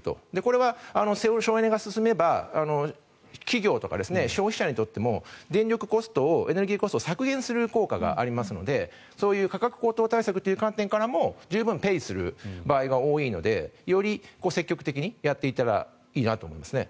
これは省エネが進めば企業とか消費者にとっても電力コスト、エネルギーコストを削減する効果がありますのでそういう価格高騰対策という観点からも十分、ペイする場合が多いのでより積極的にやっていったらいいなと思いますね。